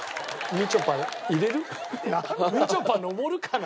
みちょぱ登るかな？